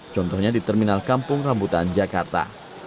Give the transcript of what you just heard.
contohnya di terminal kampung rambutan jakarta